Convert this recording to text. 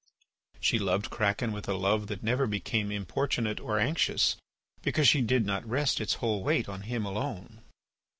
She loved Kraken with a love that never became importunate or anxious, because she did not rest its whole weight on him alone.